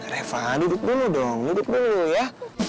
reva duduk dulu dong duduk dulu ya